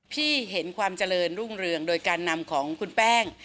ที่เห็นความเจริญรุ่งเรืองโดยการนำของคุณแป้ง